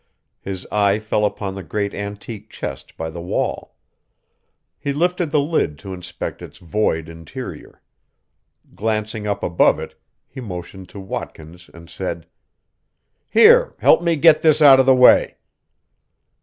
His eye fell upon the great antique chest by the wall. He lifted the lid to inspect its void interior. Glancing up above it, he motioned to Watkins and said: "Here, help me get this out of the way."